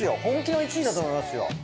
本気の１位だと思いますよ。